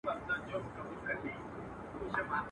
o اوبه په ډانگ نه بېلېږي.